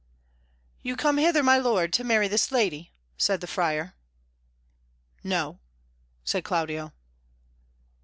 "You come hither, my lord, to marry this lady?" said the Friar. "No," said Claudio.